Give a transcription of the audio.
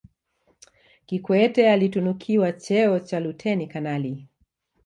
kikwete alitunukiwa cheo cha luteni kanali